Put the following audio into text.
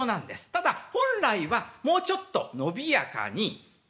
ただ本来はもうちょっと伸びやかに。